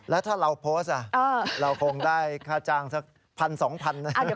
แล้วถ้าเราโพสต์เราคงได้ค่าจ้างสักพันสองพันนะ